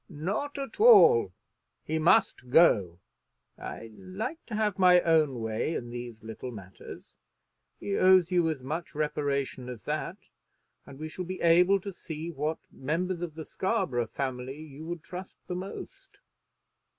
"Not at all. He must go. I like to have my own way in these little matters. He owes you as much reparation as that, and we shall be able to see what members of the Scarborough family you would trust the most."